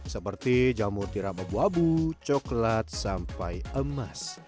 seperti jamur tiram abu abu coklat sampai emas